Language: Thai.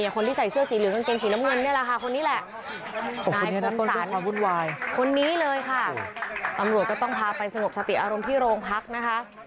คนที่ใส่เสื้อสีเหลืองกางเกนสีลำเงินนี่แหละคนนี้แหละคนนี้เลยค่ะ